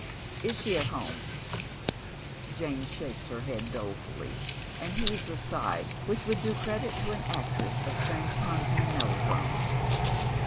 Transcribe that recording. " Is she at home ?" Jane shakes her head dolefully, and heaves a sigh which would do credit to an actress of transpontine melodrama.